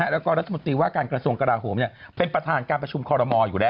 แล้วก็รัฐมนตรีว่าการกระทรวงกราโหมเป็นประธานการประชุมคอรมอลอยู่แล้ว